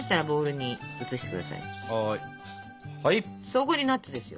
そこにナッツですよ。